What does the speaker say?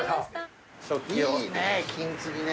いいね金継ぎね。